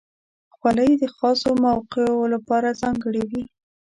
خولۍ د خاصو موقعو لپاره ځانګړې وي.